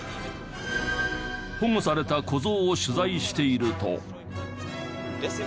保護された子ゾウを取材していると。